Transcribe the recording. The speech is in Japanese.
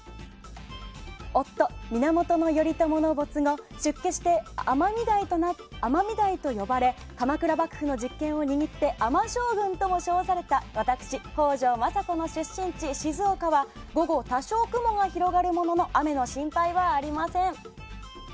夫・源頼朝の没後出家して、尼御台と呼ばれ鎌倉幕府の実権を握って尼将軍とも称された私、北条政子の出身地・静岡は午後、多少雲が広がるものの雨の心配はありません。